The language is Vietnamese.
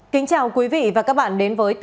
kính chào quý vị và các bạn đến với